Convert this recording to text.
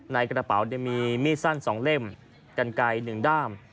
ในกระเป๋ามีมีดสั้น๒เล่มกันไกล๑ด้าม